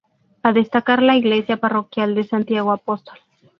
A destacar la iglesia parroquial de Santiago Apóstol.